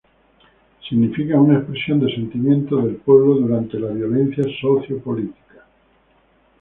Significa una expresión de sentimiento del pueblo durante la violencia socio-político.